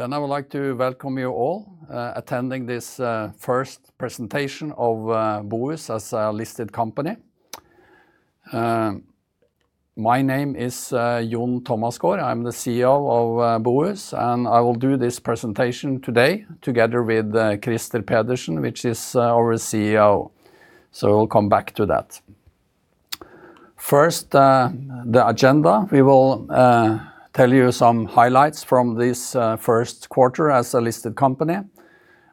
I would like to welcome you all attending this first presentation of Bohus as a listed company. My name is John Thomasgaard. I am the CEO of Bohus, and I will do this presentation today together with Krister Pedersen, which is our CFO. We will come back to that. First, the agenda. We will tell you some highlights from this first quarter as a listed company.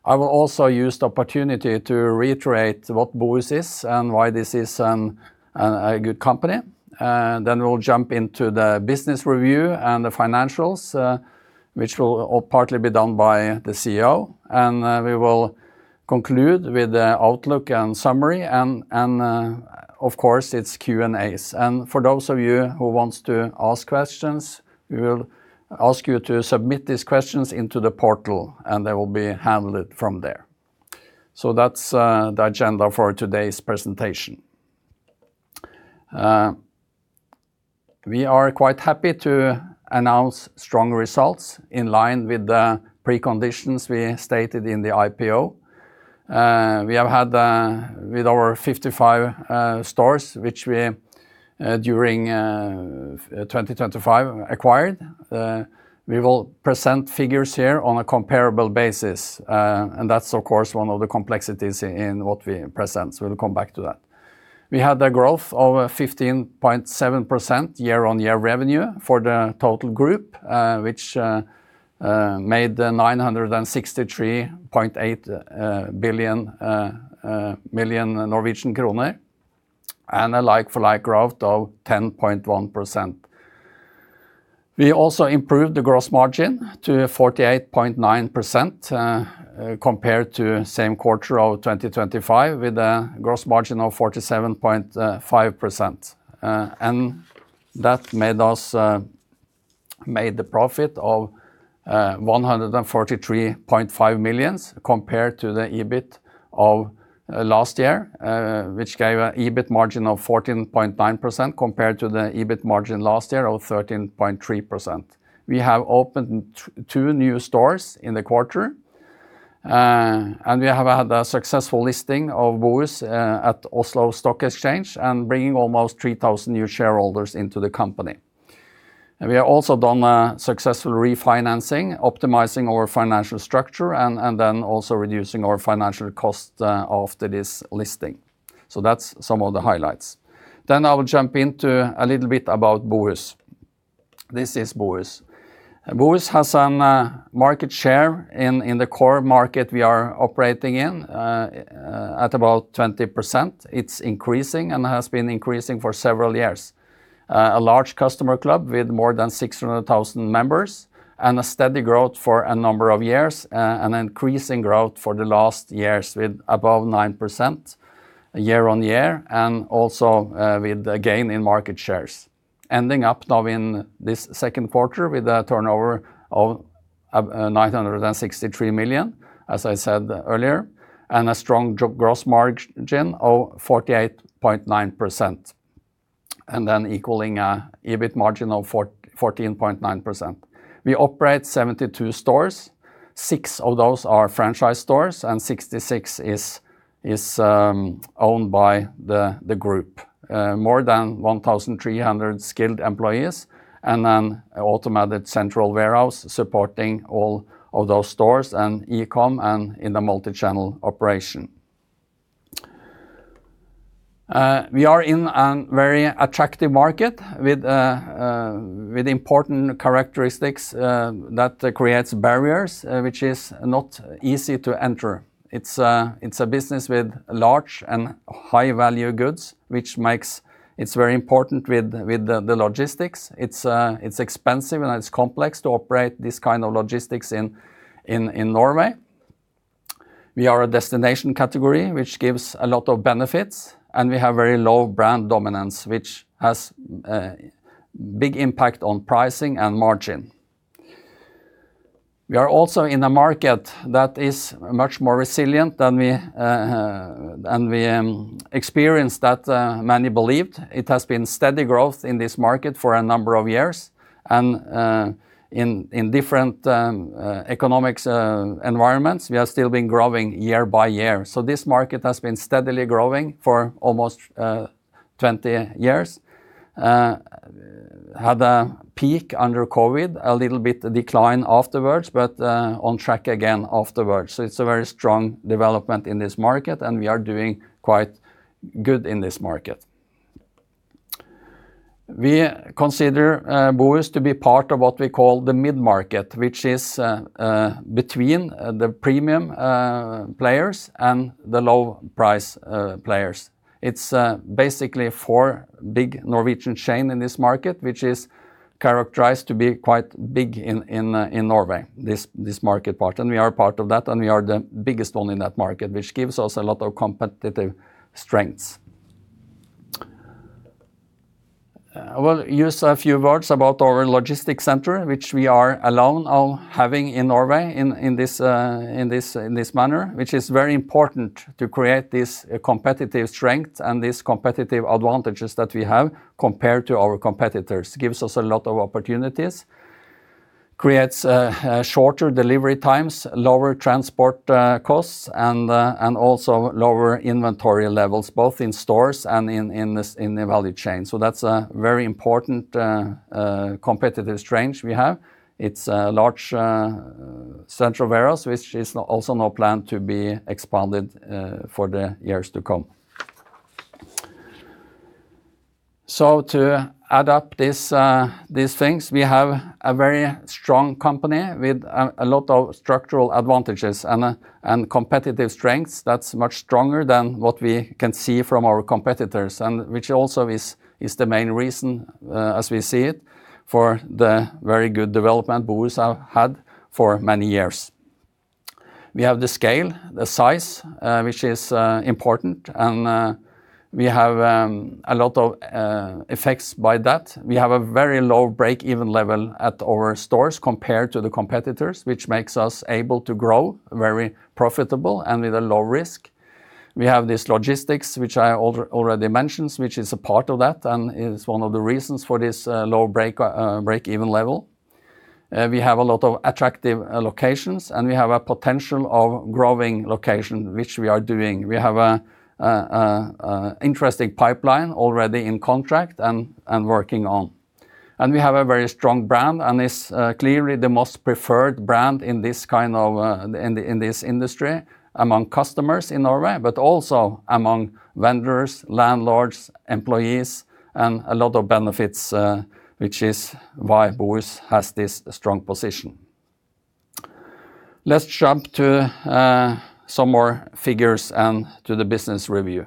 I will also use the opportunity to reiterate what Bohus is and why this is a good company. We will jump into the business review and the financials, which will all partly be done by the CFO and we will conclude with the outlook and summary and of course, it is Q&As. For those of you who wants to ask questions, we will ask you to submit these questions into the portal, and they will be handled from there. That is the agenda for today's presentation. We are quite happy to announce strong results in line with the preconditions we stated in the IPO. We have had with our 55 stores, which we, during 2025, acquired. We will present figures here on a comparable basis. That is of course, one of the complexities in what we present. We will come back to that. We had a growth of 15.7% year-over-year revenue for the total group, which made 963.8 million Norwegian kroner and a like-for-like growth of 10.1%. We also improved the gross margin to 48.9% compared to same quarter of 2025 with a gross margin of 47.5%. That made the profit of 143.5 million compared to the EBIT of last year, which gave an EBIT margin of 14.9% compared to the EBIT margin last year of 13.3%. We have opened two new stores in the quarter, and we have had a successful listing of Bohus at Oslo Stock Exchange and bringing almost 3,000 new shareholders into the company. We have also done a successful refinancing, optimizing our financial structure and also reducing our financial cost after this listing. That is some of the highlights. I will jump into a little bit about Bohus. This is Bohus. Bohus has a market share in the core market we are operating in at about 20%. It is increasing and has been increasing for several years. A large customer club with more than 600,000 members and a steady growth for a number of years, and an increasing growth for the last years with above 9% year-over-year and also with a gain in market shares. Ending up now in this second quarter with a turnover of 963 million, as I said earlier, and a strong gross margin of 48.9%, and equaling an EBIT margin of 14.9%. We operate 72 stores. six of those are franchise stores, and 66 is owned by the group. More than 1,300 skilled employees and an automated central warehouse supporting all of those stores and e-com and in the multichannel operation. We are in a very attractive market with important characteristics that creates barriers, which is not easy to enter. It is a business with large and high-value goods, which makes it very important with the logistics. It is expensive and it is complex to operate this kind of logistics in Norway. We are a destination category, which gives a lot of benefits, and we have very low brand dominance, which has a big impact on pricing and margin. We are also in a market that is much more resilient than we experienced that many believed. It has been steady growth in this market for a number of years and in different economics environments, we have still been growing year-by-year. This market has been steadily growing for almost 20 years. Had a peak under COVID, a little bit decline afterwards, but on track again afterwards. It's a very strong development in this market and we are doing quite good in this market. We consider Bohus to be part of what we call the mid-market, which is between the premium players and the low-price players. It's basically four big Norwegian chain in this market, which is characterized to be quite big in Norway, this market part, we are part of that, and we are the biggest one in that market, which gives us a lot of competitive strengths. I will use a few words about our logistics center, which we are alone now having in Norway in this manner, which is very important to create this competitive strength and this competitive advantages that we have compared to our competitors. Gives us a lot of opportunities. Creates shorter delivery times, lower transport costs, and also lower inventory levels, both in stores and in the value chain. That's a very important competitive strength we have. It's a large central warehouse, which is also now planned to be expanded for the years to come. To add up these things, we have a very strong company with a lot of structural advantages and competitive strengths that's much stronger than what we can see from our competitors, and which also is the main reason, as we see it, for the very good development Bohus have had for many years. We have the scale, the size, which is important, we have a lot of effects by that. We have a very low break-even level at our stores compared to the competitors, which makes us able to grow very profitable and with a low risk. We have this logistics, which I already mentioned, which is a part of that and is one of the reasons for this low break-even level. We have a lot of attractive locations, we have a potential of growing location, which we are doing. We have an interesting pipeline already in contract and working on. We have a very strong brand, and it's clearly the most preferred brand in this industry among customers in Norway, but also among vendors, landlords, employees, and a lot of benefits, which is why Bohus has this strong position. Let's jump to some more figures and to the business review.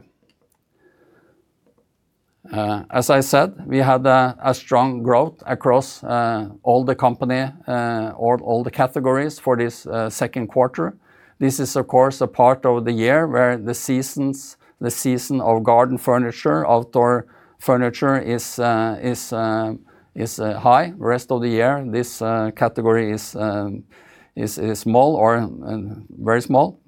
As I said, we had a strong growth across all the company or all the categories for this second quarter. This is, of course, a part of the year where the season of garden furniture, outdoor furniture is high. The rest of the year, this category is small or very small.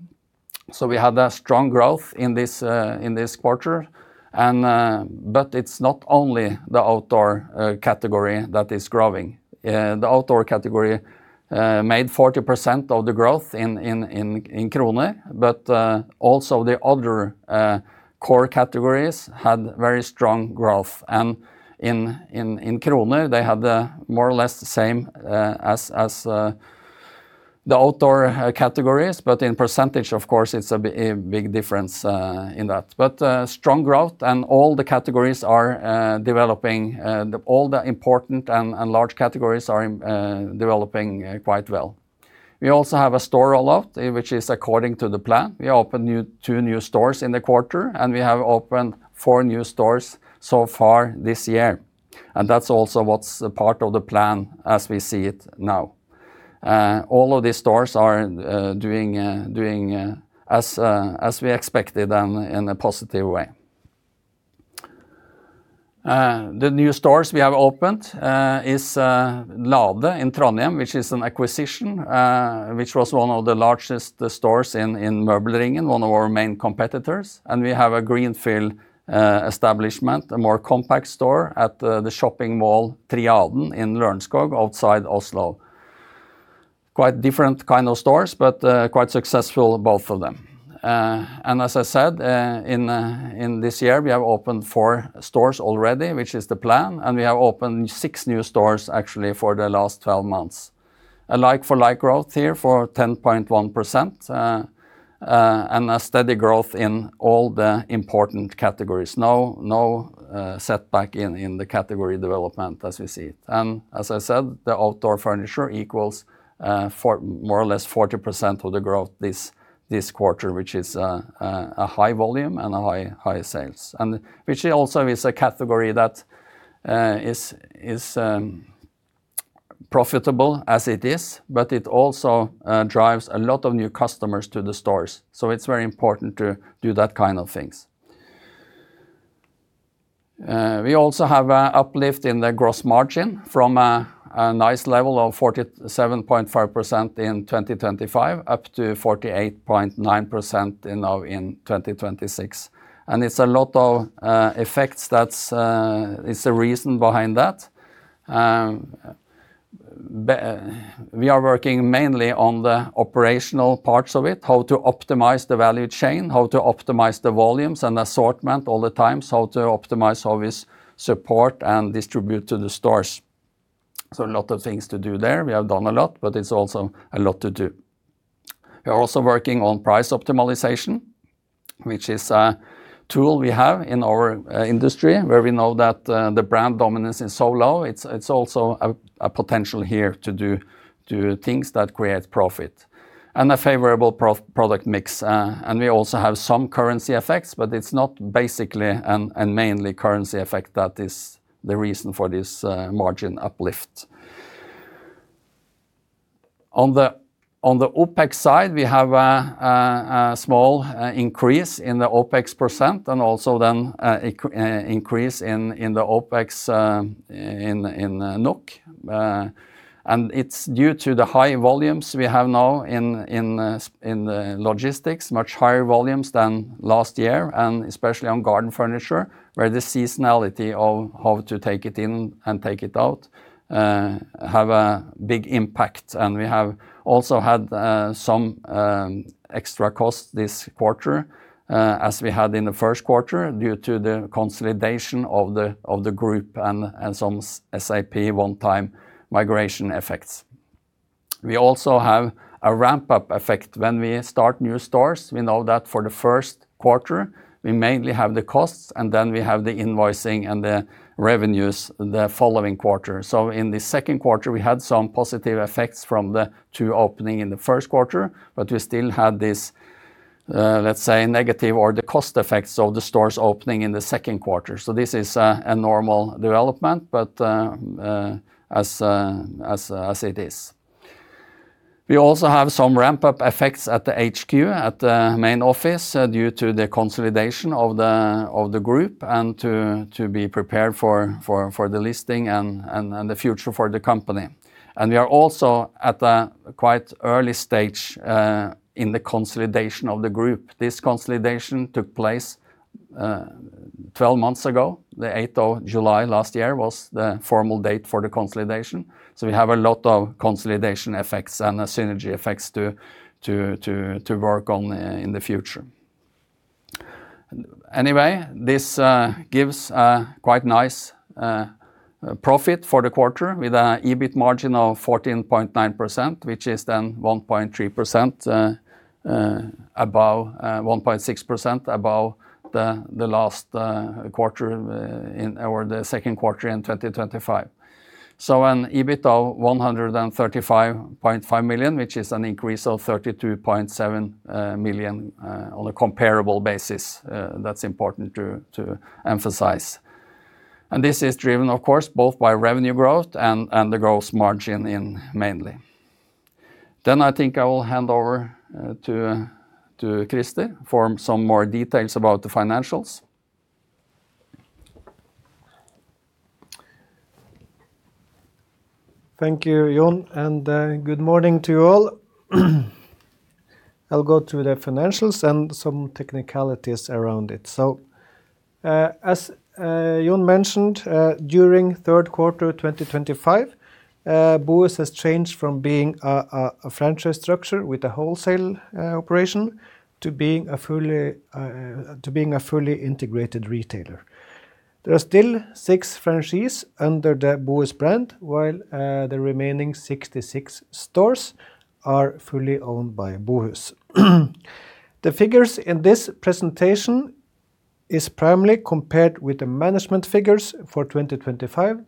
We had a strong growth in this quarter, but it's not only the outdoor category that is growing. The outdoor category made 40% of the growth in NOK, also the other core categories had very strong growth. In NOK, they had more or less the same as the outdoor categories. In percentage, of course, it's a big difference in that. Strong growth and all the important and large categories are developing quite well. We also have a store roll-out, which is according to the plan. We opened two new stores in the quarter, we have opened four new stores so far this year, that's also what's a part of the plan as we see it now. All of these stores are doing as we expected and in a positive way. The new stores we have opened is Lade in Trondheim, which is an acquisition, which was one of the largest stores in Møbelringen, one of our main competitors. We have a greenfield establishment, a more compact store at the shopping mall, Triaden, in Lørenskog, outside Oslo. Quite different kind of stores, quite successful, both of them. As I said, in this year, we have opened four stores already, which is the plan, we have opened six new stores actually for the last 12 months. A like-for-like growth here for 10.1% and a steady growth in all the important categories. No setback in the category development as we see it. As I said, the outdoor furniture equals more or less 40% of the growth this quarter, which is a high volume and a high sales, which also is a category that is profitable as it is, it also drives a lot of new customers to the stores. It's very important to do that kind of things. We also have an uplift in the gross margin from a nice level of 47.5% in 2025 up to 48.9% now in 2026. It's a lot of effects that's a reason behind that. We are working mainly on the operational parts of it, how to optimize the value chain, how to optimize the volumes and assortment all the time, how to optimize all this support and distribute to the stores. A lot of things to do there. We have done a lot, it's also a lot to do. We are also working on price optimization, which is a tool we have in our industry where we know that the brand dominance is so low, it's also a potential here to do things that create profit. A favorable product mix. We also have some currency effects, it's not basically and mainly currency effect that is the reason for this margin uplift. On the OpEx side, we have a small increase in the OpEx percent and also then increase in the OpEx in NOK. It's due to the high volumes we have now in the logistics, much higher volumes than last year, especially on garden furniture, where the seasonality of how to take it in and take it out have a big impact. We have also had some extra cost this quarter, as we had in the first quarter due to the consolidation of the group and some SAP one-time migration effects. We also have a ramp-up effect when we start new stores. We know that for the first quarter, we mainly have the costs, and then we have the invoicing and the revenues the following quarter. In the second quarter, we had some positive effects from the two openings in the first quarter, but we still had this, let's say, negative or the cost effects of the stores opening in the second quarter. This is a normal development, but as it is. We also have some ramp-up effects at the HQ, at the main office, due to the consolidation of the group and to be prepared for the listing and the future for the company. We are also at a quite early stage in the consolidation of the group. This consolidation took place 12 months ago, the 8th of July last year was the formal date for the consolidation. We have a lot of consolidation effects and synergy effects to work on in the future. Anyway, this gives a quite nice profit for the quarter with an EBIT margin of 14.9%, which is then 1.6% above the second quarter in 2025. An EBIT of 135.5 million, which is an increase of 32.7 million on a comparable basis. That's important to emphasize. This is driven, of course, both by revenue growth and the gross margin mainly. I think I will hand over to Krister for some more details about the financials. Thank you, John, and good morning to you all. I'll go through the financials and some technicalities around it. As John mentioned, during the third quarter of 2025, Bohus has changed from being a franchise structure with a wholesale operation to being a fully integrated retailer. There are still six franchisees under the Bohus brand, while the remaining 66 stores are fully owned by Bohus. The figures in this presentation is primarily compared with the management figures for 2025,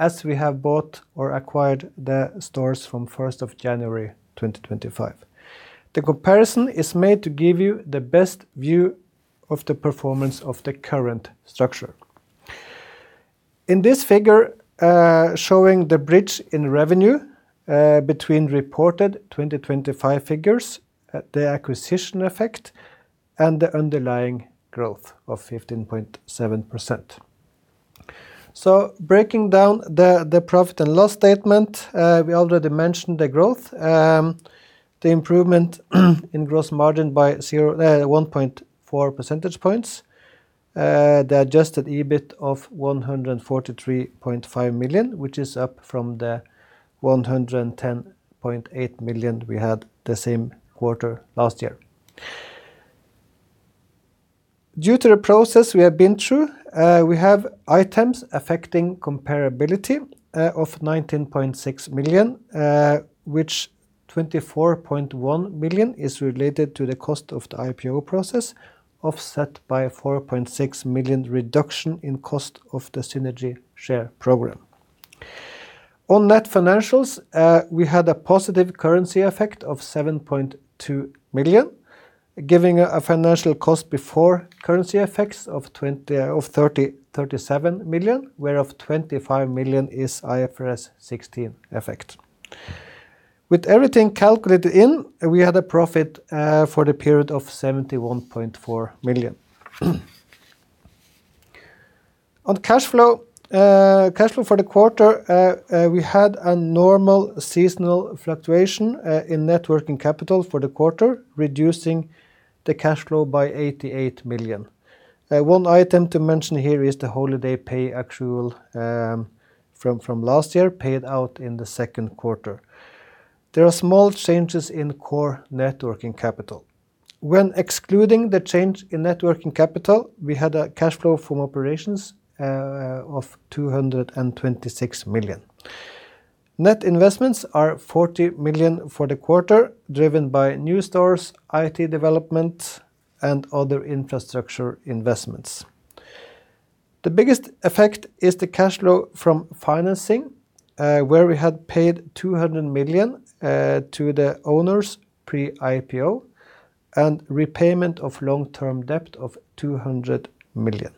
as we have bought or acquired the stores from 1st of January 2025. The comparison is made to give you the best view of the performance of the current structure. In this figure, showing the bridge in revenue between reported 2025 figures, the acquisition effect, and the underlying growth of 15.7%. Breaking down the profit and loss statement, we already mentioned the growth, the improvement in gross margin by 1.4 percentage points. The adjusted EBIT of 143.5 million, which is up from the 110.8 million we had the same quarter last year. Due to the process we have been through, we have items affecting comparability of 19.6 million, which 24.1 million is related to the cost of the IPO process, offset by a 4.6 million reduction in cost of the synthetic share program. On net financials, we had a positive currency effect of 7.2 million, giving a financial cost before currency effects of 37 million, where of 25 million is IFRS 16 effect. With everything calculated in, we had a profit for the period of 71.4 million. On cash flow for the quarter, we had a normal seasonal fluctuation in net working capital for the quarter, reducing the cash flow by 88 million. One item to mention here is the holiday pay actual from last year, paid out in the second quarter. There are small changes in core net working capital. When excluding the change in net working capital, we had a cash flow from operations of 226 million. Net investments are 40 million for the quarter, driven by new stores, IT development, and other infrastructure investments. The biggest effect is the cash flow from financing, where we had paid 200 million to the owners pre-IPO and repayment of long-term debt of 200 million,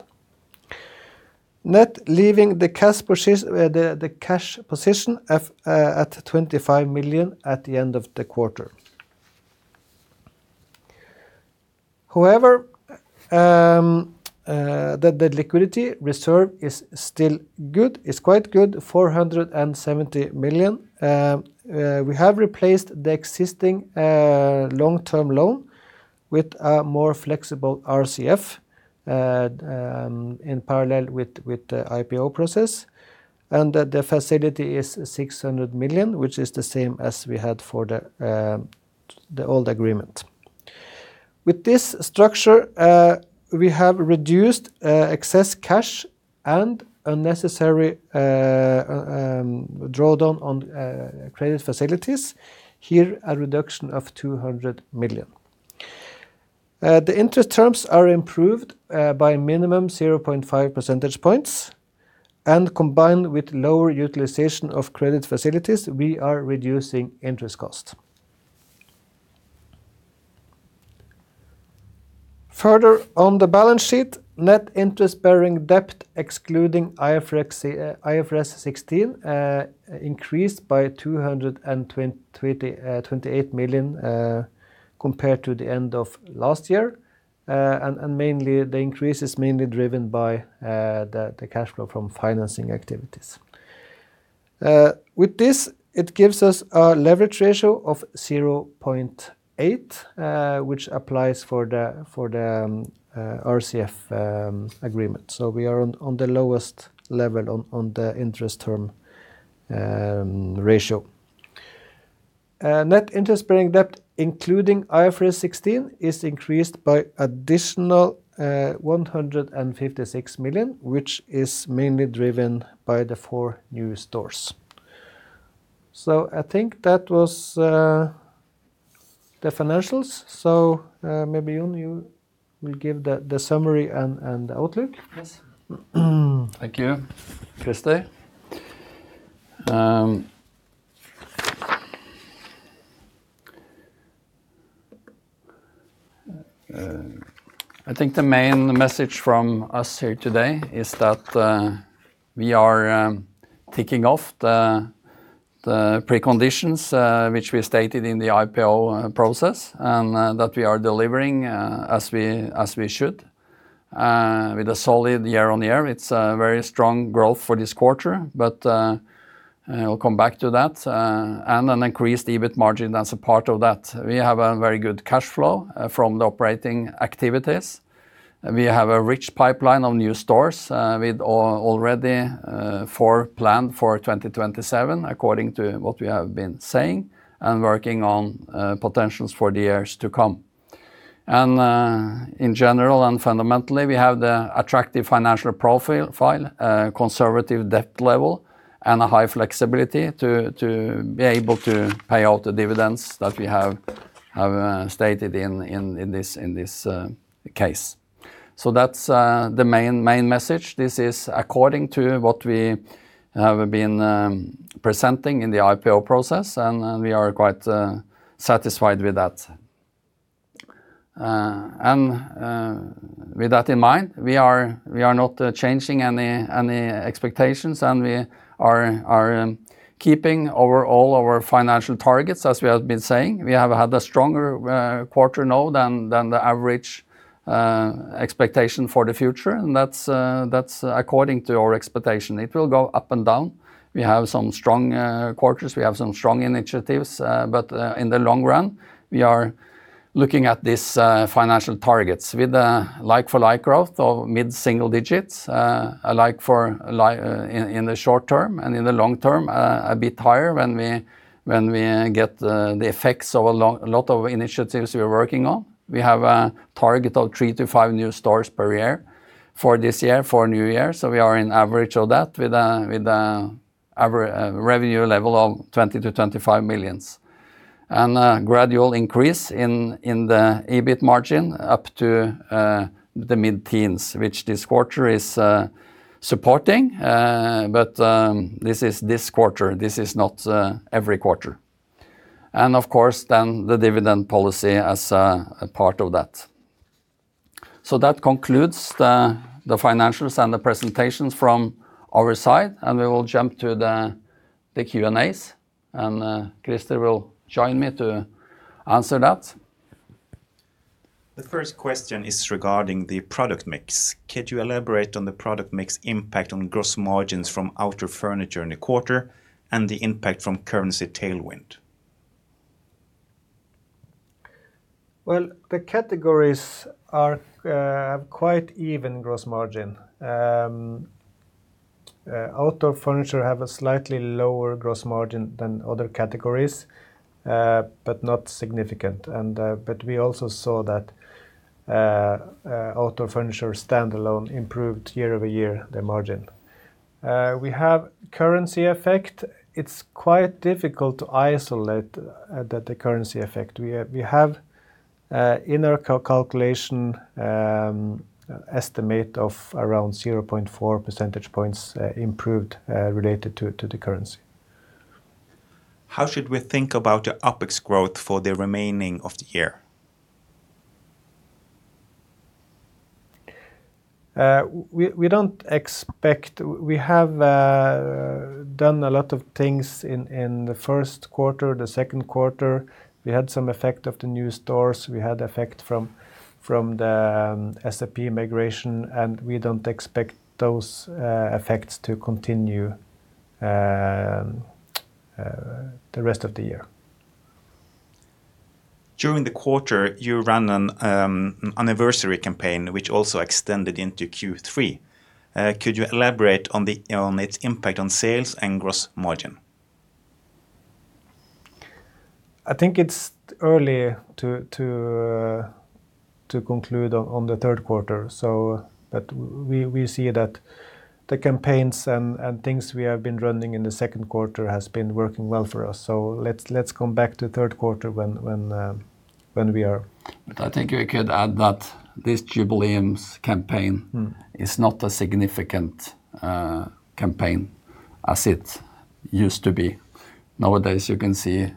net leaving the cash position at 25 million at the end of the quarter. However, the liquidity reserve is still good. It is quite good, 470 million. We have replaced the existing long-term loan with a more flexible RCF in parallel with the IPO process, and the facility is 600 million, which is the same as we had for the old agreement. With this structure, we have reduced excess cash and unnecessary drawdown on credit facilities. Here, a reduction of 200 million. The interest terms are improved by a minimum of 0.5 percentage points, and combined with lower utilization of credit facilities, we are reducing interest costs. Further on the balance sheet, net interest-bearing debt, excluding IFRS 16, increased by 228 million compared to the end of last year. The increase is mainly driven by the cash flow from financing activities. With this, it gives us a leverage ratio of 0.8x, which applies for the RCF agreement. We are on the lowest level on the interest term ratio. Net interest-bearing debt, including IFRS 16, is increased by an additional 156 million, which is mainly driven by the four new stores. I think that was the financials. Maybe, John, you will give the summary and the outlook? Yes. Thank you, Krister. I think the main message from us here today is that we are ticking off the preconditions which we stated in the IPO process and that we are delivering as we should. With a solid year-on-year, it is a very strong growth for this quarter, but we will come back to that, and an increased EBIT margin as a part of that. We have a very good cash flow from the operating activities. We have a rich pipeline of new stores with already four planned for 2027 according to what we have been saying and working on potentials for the years to come. In general and fundamentally, we have the attractive financial profile, a conservative debt level, and a high flexibility to be able to pay out the dividends that we have stated in this case. That's the main message. This is according to what we have been presenting in the IPO process, we are quite satisfied with that. With that in mind, we are not changing any expectations, we are keeping overall our financial targets as we have been saying. We have had a stronger quarter now than the average expectation for the future. That's according to our expectation. It will go up and down. We have some strong quarters, we have some strong initiatives, in the long run, we are looking at these financial targets with a like-for-like growth of mid-single digits in the short term, in the long term, a bit higher when we get the effects of a lot of initiatives we are working on. We have a target of three to five new stores per year for this year, for a new year. We are in average of that with a revenue level of 20 million-25 million. A gradual increase in the EBIT margin up to the mid-teens, which this quarter is supporting. This is this quarter. This is not every quarter. Of course, the dividend policy as a part of that. That concludes the financials and the presentations from our side, we will jump to the Q&As, Krister will join me to answer that. The first question is regarding the product mix. Could you elaborate on the product mix impact on gross margins from outdoor furniture in the quarter and the impact from currency tailwind? The categories have quite even gross margin. Outdoor furniture have a slightly lower gross margin than other categories, but not significant. We also saw that outdoor furniture standalone improved year-over-year, the margin. We have currency effect. It's quite difficult to isolate the currency effect. We have in our calculation, an estimate of around 0.4 percentage points improved related to the currency. How should we think about your OpEx growth for the remaining of the year? We have done a lot of things in the first quarter, the second quarter. We had some effect of the new stores. We had effect from the SAP migration. We don't expect those effects to continue the rest of the year. During the quarter, you ran an anniversary campaign which also extended into Q3. Could you elaborate on its impact on sales and gross margin? I think it's early to conclude on the third quarter, but we see that the campaigns and things we have been running in the second quarter has been working well for us. Let's come back to third quarter. I think we could add that this jubileums campaign is not a significant campaign as it used to be. Nowadays, you can see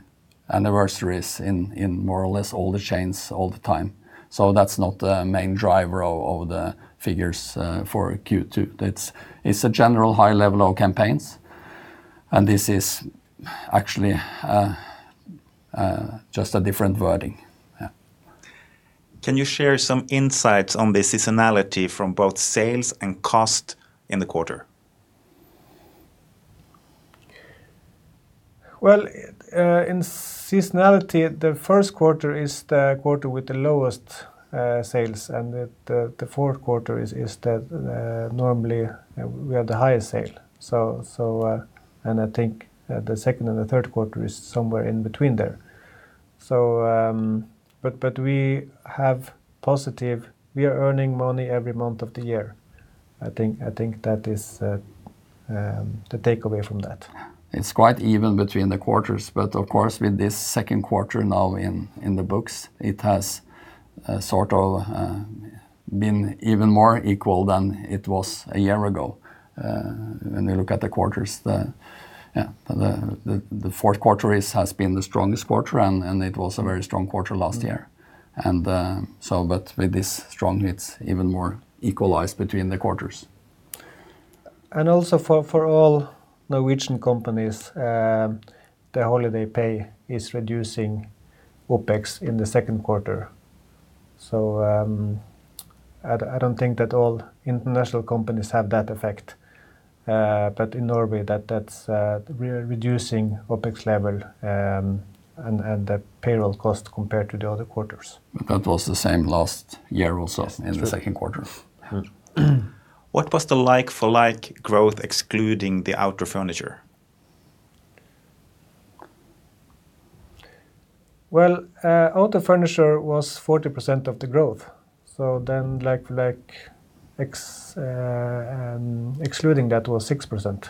anniversaries in more or less all the chains all the time. That's not the main driver of the figures for Q2. It's a general high level of campaigns, and this is actually just a different wording. Yeah. Can you share some insights on the seasonality from both sales and cost in the quarter? Well, in seasonality, the first quarter is the quarter with the lowest sales, and the fourth quarter is normally we have the highest sale. I think the second and the third quarter is somewhere in between there. We are earning money every month of the year. I think that is the takeaway from that. It's quite even between the quarters, but of course, with this second quarter now in the books, it has sort of been even more equal than it was a year ago. When we look at the quarters, the fourth quarter has been the strongest quarter, and it was a very strong quarter last year. With this strong, it's even more equalized between the quarters. Also, for all Norwegian companies, the holiday pay is reducing OpEx in the second quarter. I don't think that all international companies have that effect. In Norway, that's reducing OpEx level and that payroll cost compared to the other quarters. That was the same last year also. Yes, true. In the second quarter. What was the like-for-like growth excluding the outdoor furniture? Well, outdoor furniture was 40% of the growth. Like excluding that was 6%,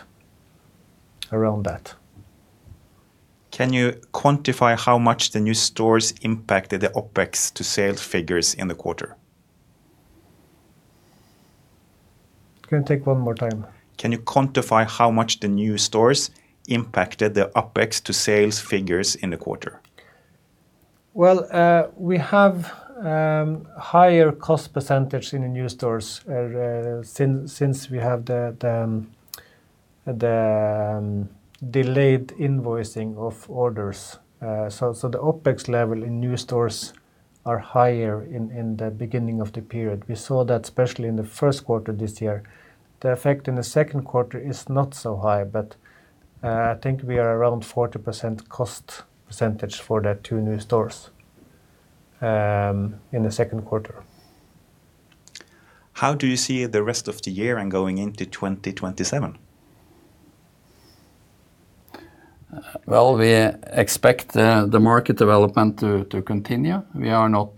around that. Can you quantify how much the new stores impacted the OpEx to sales figures in the quarter? Can you take one more time? Can you quantify how much the new stores impacted the OpEx to sales figures in the quarter? Well, we have higher cost percentage in the new stores since we have the delayed invoicing of orders. The OpEx level in new stores are higher in the beginning of the period. We saw that especially in the first quarter this year. The effect in the second quarter is not so high, but I think we are around 40% cost percentage for that two new stores in the second quarter. How do you see the rest of the year and going into 2027? Well, we expect the market development to continue. We are not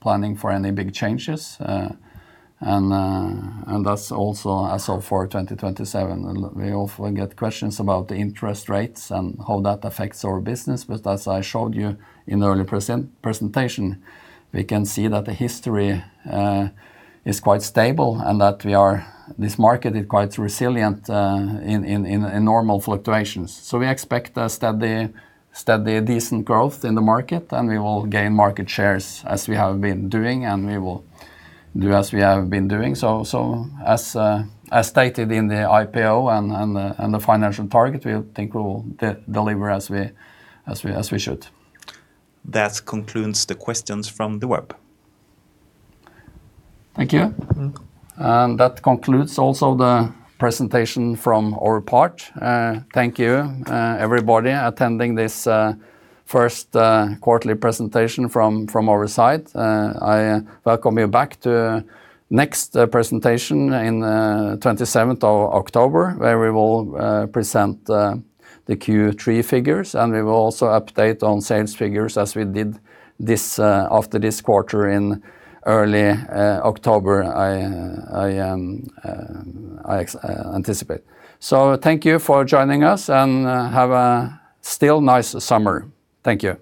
planning for any big changes. That's also as of for 2027. We often get questions about the interest rates and how that affects our business, but as I showed you in the early presentation, we can see that the history is quite stable and that this market is quite resilient in normal fluctuations. We expect a steady, decent growth in the market, and we will gain market shares as we have been doing, and we will do as we have been doing. As stated in the IPO and the financial target, we think we will deliver as we should. That concludes the questions from the web. Thank you. That concludes also the presentation from our part. Thank you everybody attending this first quarterly presentation from our side. I welcome you back to next presentation in 27th of October, where we will present the Q3 figures. We will also update on sales figures as we did after this quarter in early October, I anticipate. Thank you for joining us, and have a still nice summer. Thank you